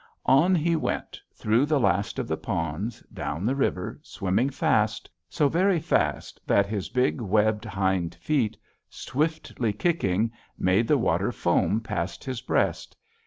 "On he went, through the last of the ponds, down the river, swimming fast, so very fast that his big webbed hind feet, swiftly kicking, made the water foam past his breast.